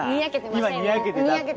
今にやけてたって。